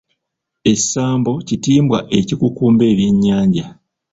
Essambo kitimbwa ekikukumba ebyennyanja.